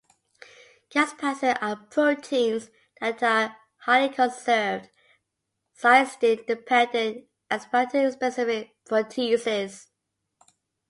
Caspases are proteins that are highly conserved, cysteine-dependent aspartate-specific proteases.